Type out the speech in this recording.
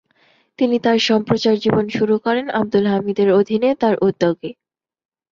তিনি তার সম্প্রচার জীবন শুরু করেন আবদুল হামিদের অধীনে তার উদ্যোগে।